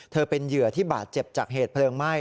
เป็นเหยื่อที่บาดเจ็บจากเหตุเพลิงไหม้